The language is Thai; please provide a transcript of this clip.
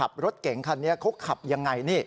ขับรถเก่งคันนี้เขาขับยังไง